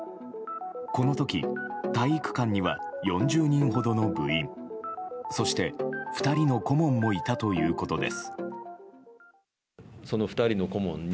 この時、体育館には４０人ほどの部員そして、２人の顧問もいたということです。